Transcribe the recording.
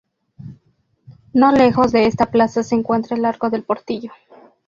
No lejos de esta plaza se encuentra el arco del Portillo.